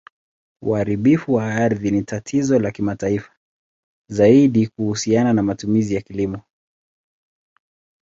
Uharibifu wa ardhi ni tatizo la kimataifa, zaidi kuhusiana na matumizi ya kilimo.